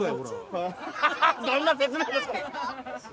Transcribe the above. ハハッどんな説明ですか。